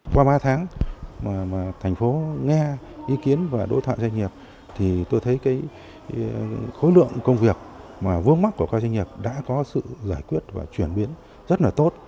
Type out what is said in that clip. qua ba tháng mà thành phố nghe ý kiến và đối thoại doanh nghiệp thì tôi thấy cái khối lượng công việc mà vướng mắt của các doanh nghiệp đã có sự giải quyết và chuyển biến rất là tốt